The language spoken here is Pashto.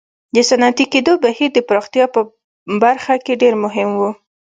د صنعتي کېدو بهیر د پراختیا په برخه کې ډېر مهم و.